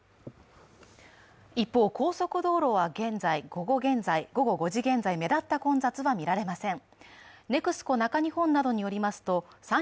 一方、高速道路は午後５時現在目立った混雑は見られません。